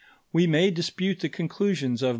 We may dispute the conclusions of M.